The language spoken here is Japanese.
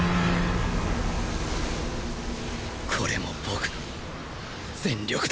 これも僕の全力だ！